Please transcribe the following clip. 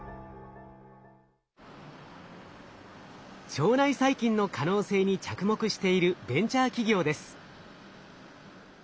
腸内細菌の可能性に着目しているベンチャー企業です。